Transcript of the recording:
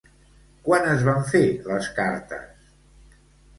Quan es van fer les cartes?